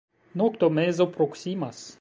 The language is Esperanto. Noktomezo proksimas.